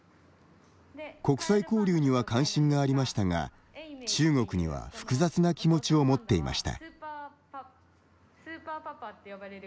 国際交流には関心がありましたが中国には複雑な気持ちを持っていました。